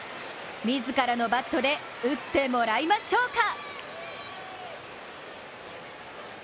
自らのバットで打ってもらいましょうか。